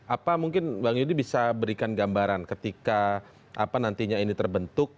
apa mungkin bang yudi bisa berikan gambaran ketika nantinya ini terbentuk